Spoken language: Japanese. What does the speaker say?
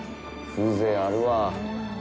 風情あるわあ。